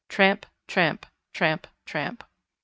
Tramp, tramp, tramp, tramp.